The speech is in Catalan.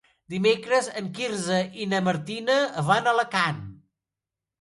Dimecres en Quirze i na Martina van a Alacant.